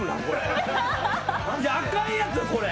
いやあかんやつこれ。